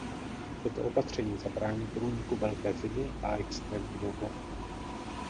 Toto opatření zabrání průniku velké zimy a extrémního horka.